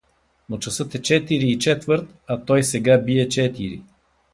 — Но часът е четири и четвърт, а той сега бие четири.